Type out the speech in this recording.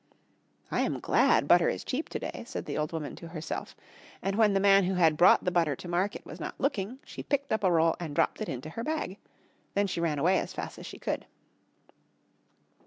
"] "I am glad butter is cheap to day," said the old woman to herself, and when the man who had brought the butter to market was not looking she picked up a roll and dropped it into her bag. Then she ran away as fast as she could.